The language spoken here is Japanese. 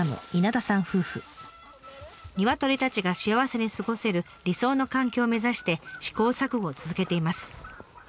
ニワトリたちが幸せに過ごせる理想の環境を目指して試行錯誤を続けています。